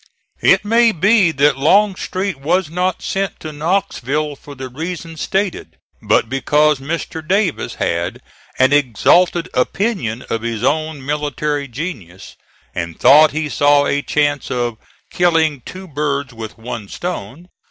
It may be that Longstreet was not sent to Knoxville for the reason stated, but because Mr. Davis had an exalted opinion of his own military genius, and thought he saw a chance of "killing two birds with one stone."